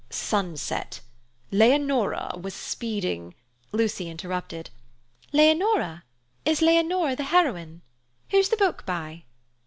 "'Sunset. Leonora was speeding—'" Lucy interrupted. "Leonora? Is Leonora the heroine? Who's the book by?"